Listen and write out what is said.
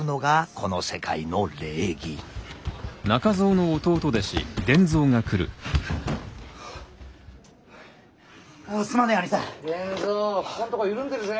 ここんとこ緩んでるぜ。